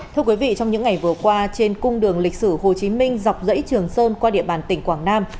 thưa quý vị trong những ngày vừa qua trên cung đường lịch sử hồ chí minh dọc dãy trường sơn qua địa bàn tỉnh quảng nam